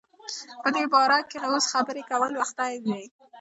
په دی باره کی اوس خبری کول وختی دی